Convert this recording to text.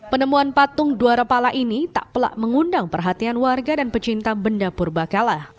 penemuan patung dwarapala ini tak pelak mengundang perhatian warga dan pecinta bendapur bakalah